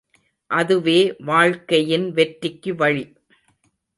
அதுவே வாழ்க்கையின் வெற்றிக்குவழி!